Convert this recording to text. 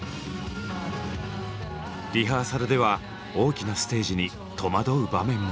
リハーサルでは大きなステージに戸惑う場面も。